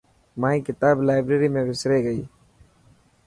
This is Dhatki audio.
مائي ڪتاب لائبريري ۾ وسري گئي.